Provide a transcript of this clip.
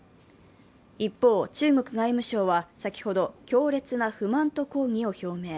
一方、中国外務省は先ほど、強烈な不満と抗議を表明。